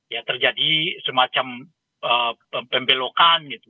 ya terjadi semacam pembelokan gitu